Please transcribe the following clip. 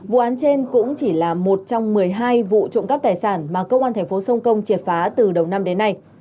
vụ án trên cũng chỉ là một trong một mươi hai vụ trộm cắp tài sản mà công an thành phố sông công triệt phá từ đầu năm đến nay